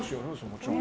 もちろん。